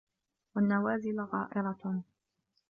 وَالنَّوَازِلَ غَائِرَةٌ